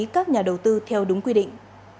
các nhà đầu tư theo đúng quy định